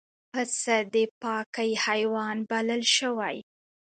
پسه د پاکۍ حیوان بلل شوی.